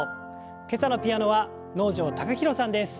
今朝のピアノは能條貴大さんです。